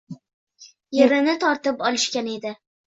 — yerini tortib olishgan edi.